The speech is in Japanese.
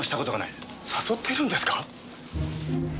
誘ってるんですか？